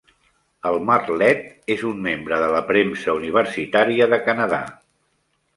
El Martlet és un membre de la premsa universitària de Canadà.